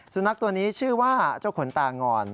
สุนัขตัวนี้ชื่อว่าเจ้าขนตางอน